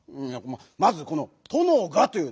まずこの「とのが」という。